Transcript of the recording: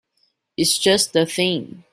It's just the thing.